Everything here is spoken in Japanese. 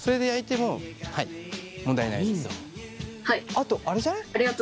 あとあれじゃない？